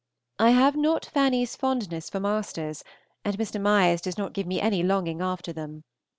I have not Fanny's fondness for masters, and Mr. Meyers does not give me any longing after them.